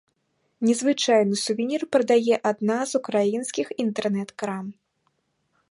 Незвычайны сувенір прадае адна з украінскіх інтэрнэт-крам.